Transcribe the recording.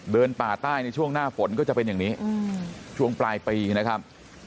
ป่าใต้ในช่วงหน้าฝนก็จะเป็นอย่างนี้ช่วงปลายปีนะครับ